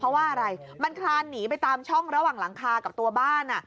เพราะว่าอะไรมันคลานหนีไปตามช่องระหว่างหลังคากับตัวบ้าน